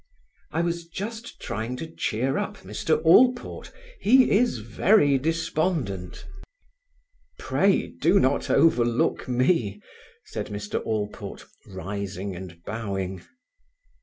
"I was just trying to cheer up Mr. Allport; he is very despondent." "Pray do not overlook me," said Mr. Allport, rising and bowing.